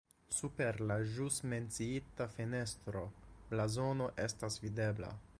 Super la ĵus menciita fenestro blazono estas videbla.